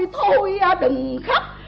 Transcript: thôi thôi đừng khóc